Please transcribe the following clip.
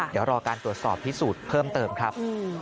เดี๋ยวรอการตรวจสอบพิสูจน์เพิ่มเติมครับ